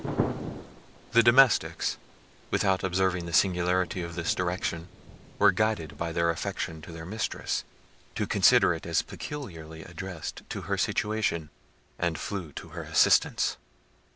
The domestics, without observing the singularity of this direction, were guided by their affection to their mistress, to consider it as peculiarly addressed to her situation, and flew to her assistance.